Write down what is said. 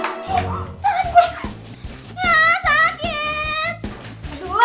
pelit banget si tipe sihir